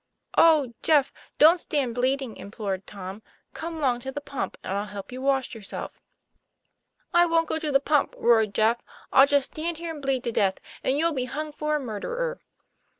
"Oh, Jeff, don't stand bleeding! " implored Tom. "Come 'long to the pump and I'll help you wash yourself." TOM PL A YFAIR. 21 "I wont go to the pump," roared Jeff. X T11 just stand here and bleed to death, and you'll be hung for a murderer."